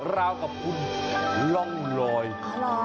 เรากับคุณล่องลอยเหรอ